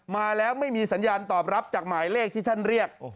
มาแล้วไม่มีสัญญาณตอบรับจากหมายเลขที่ท่านเรียก